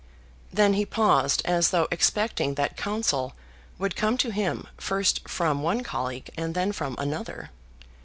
Then he paused as though expecting that counsel would come to him first from one colleague and then from another.